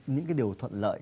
những cái điều thuận lợi